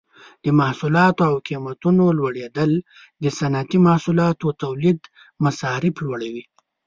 د محصولاتو د قیمتونو لوړیدل د صنعتي محصولاتو تولید مصارف لوړوي.